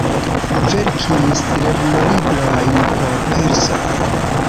Verkis lernolibrojn por persoj.